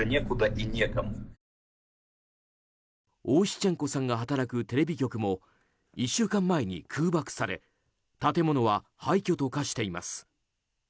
オーシチェンコさんが働くテレビ局も１週間前に空爆され建物は廃虚と化しています。